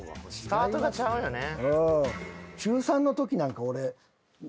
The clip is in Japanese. スタートがちゃうよね。